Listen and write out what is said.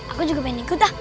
aku juga pengen ikut